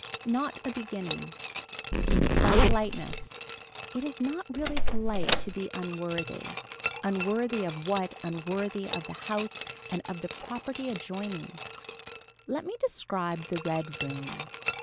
Not a beginning. By politeness. It is not really polite to be unworthy. Unworthy of what unworthy of the house and of the property adjoining. Let me describe the red room.